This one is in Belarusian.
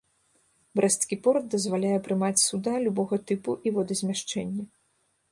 Брэсцкі порт дазваляе прымаць суда любога тыпу і водазмяшчэння.